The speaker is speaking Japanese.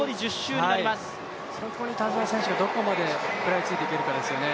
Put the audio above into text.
そこに田澤選手がどこまで食らいついていけるかですよね。